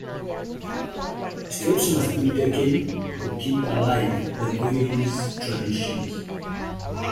Steps must be taken to keep alive the village's traditions.